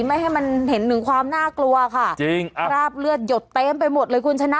ไม่ให้มันเห็นถึงความน่ากลัวค่ะจริงคราบเลือดหยดเต็มไปหมดเลยคุณชนะ